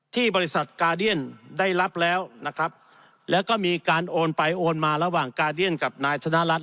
ที่บริษัทกาเดียนได้รับแล้วนะครับแล้วก็มีการโอนไปโอนมาระหว่างกาเดียนกับนายธนรัฐ